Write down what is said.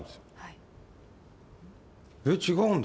えっ、違うんだ。